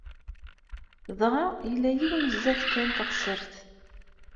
Dɣa yella yiwen sdat kan teɣsert.